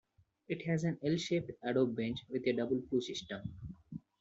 It has an 'L' shaped adobe bench with a double flue system.